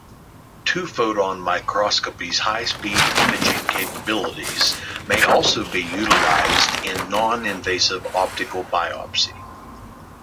Two-photon microscopy's high speed imaging capabilities may also be utilized in noninvasive optical biopsy.